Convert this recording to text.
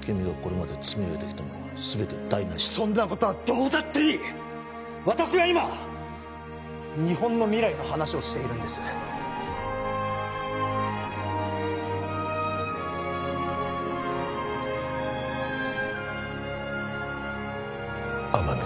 君がこれまで積み上げてきたものが全て台無しそんなことはどうだっていい私は今日本の未来の話をしているんです天海